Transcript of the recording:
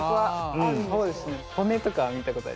ああそうですね。